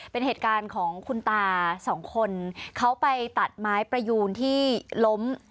เป็นเหตุการณ์ของคุณตาสองคนเขาไปตัดไม้ประยูนที่ล้ม